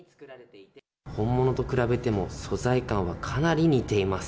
本物と比べても、素材感はかなり似ています。